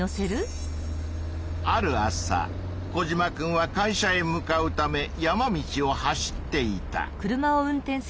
ある朝コジマくんは会社へ向かうため山道を走っていた。